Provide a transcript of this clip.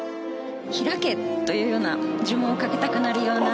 開けというような呪文をかけたくなるような。